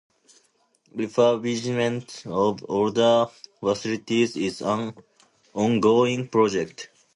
Refurbishment of older facilities is an ongoing project.